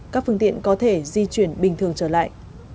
các phương tiện có thể di chuyển bình thường trở lại